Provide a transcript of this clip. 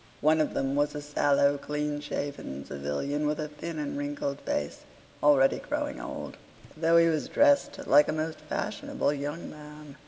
One of them was a sallow, clean shaven civilian with a thin and wrinkled face, already growing old, though he was dressed like a most fashionable young man.